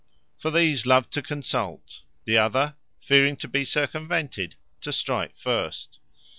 For these love to consult, the other (fearing to be circumvented,) to strike first.